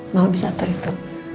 mama bisa atur itu